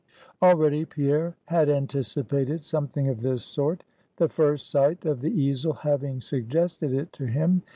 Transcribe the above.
Already Pierre had anticipated something of this sort; the first sight of the easel having suggested it to him.